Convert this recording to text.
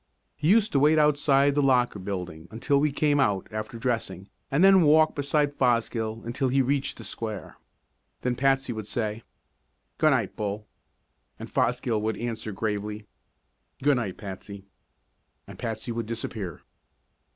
He used to wait outside the Locker Building until we came out after dressing and then walk beside Fosgill until he reached the Square. Then Patsy would say: "Good night, Bull." And Fosgill would answer gravely: "Good night, Patsy." And Patsy would disappear.